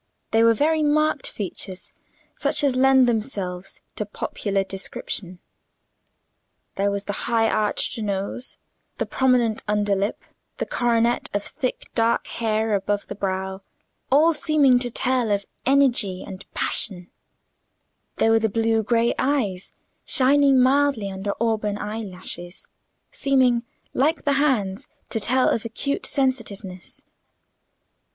They were very marked features, such as lend themselves to popular description. There was the high arched nose, the prominent under lip, the coronet of thick dark hair above the brow, all seeming to tell of energy and passion; there were the blue grey eyes, shining mildly under auburn eyelashes, seeming, like the hands, to tell of acute sensitiveness.